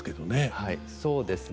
はいそうですね。